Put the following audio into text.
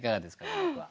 この句は。